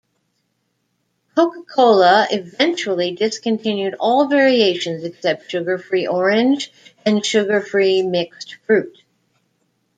Coca-Cola eventually discontinued all variations except sugar-free orange and sugar-free mixed fruit.